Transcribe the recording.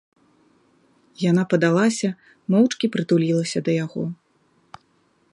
Яна падалася, моўчкі прытулілася да яго.